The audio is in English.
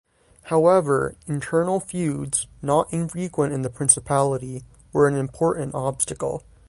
However, internal feuds, not infrequent in the principality, were an important obstacle.